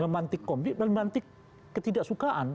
memanti konflik dan memanti ketidaksukaan